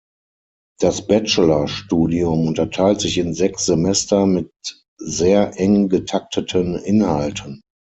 Das Bachelorstudium unterteilt sich in sechs Semester mit sehr eng getakteten Inhalten.